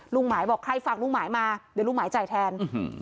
หมายบอกใครฝากลุงหมายมาเดี๋ยวลุงหมายจ่ายแทน